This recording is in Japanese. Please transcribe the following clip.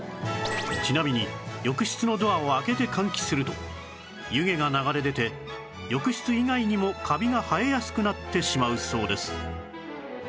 ちなみに浴室のドアを開けて換気すると湯気が流れ出て浴室以外にもカビが生えやすくなってしまうそうです